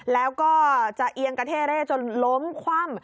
แล้วก็จะเอียงกระเท่เร่จนล้มคว่ำ